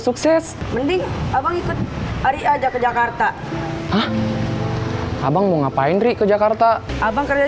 sukses mending abang ikut ari aja ke jakarta abang mau ngapain ri ke jakarta abang kerja